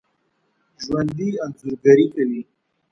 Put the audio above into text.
ژوندي انځورګري کوي